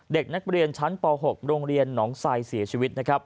เด็กนักเรียนชั้นป๖โรงเรียนหนองไซเสียชีวิตนะครับ